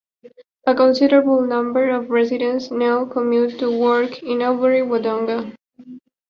A considerable number of residents now commute to work in Albury-Wodonga.